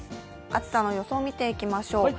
暑さの予想を見ていきましょう。